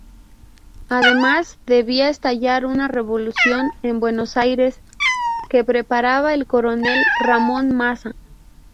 Además debía estallar una revolución en Buenos Aires, que preparaba el coronel Ramón Maza.